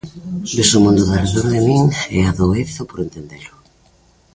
Vexo o mundo darredor de min e adoezo por entendelo.